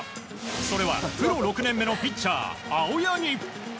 それは、プロ６年目のピッチャー青柳。